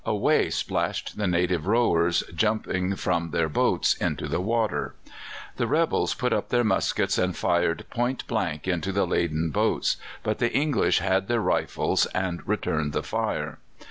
Away splashed the native rowers, jumping from their boats into the water. "The rebels put up their muskets and fired point blank into the laden boats; but the English had their rifles, and returned the fire.